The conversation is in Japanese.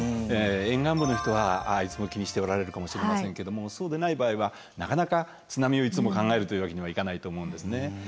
沿岸部の人はいつも気にしておられるかもしれませんけどもそうでない場合はなかなか津波をいつも考えるというわけにはいかないと思うんですね。